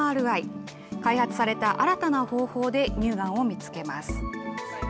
開発された新たな方法で乳がんを見つけます。